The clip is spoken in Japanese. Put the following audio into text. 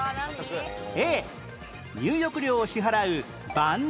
Ａ 入浴料を支払う番台